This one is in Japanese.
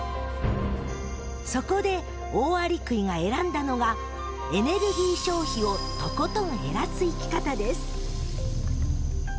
そこでオオアリクイが選んだのがエネルギー消費をとことん減らす生き方です